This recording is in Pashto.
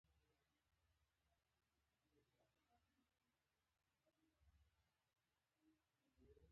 ما ځواب ورکړ: ډزې ورباندې کوم، زه به جګړه وکړم.